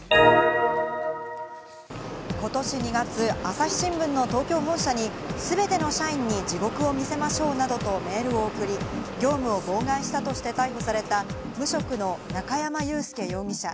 ことし２月、朝日新聞の東京本社に全ての社員に地獄を見せましょうなどとメールを送り、業務を妨害したとして逮捕された無職の中山雄介容疑者。